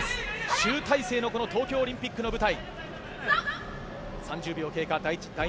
集大成の東京オリンピックの舞台。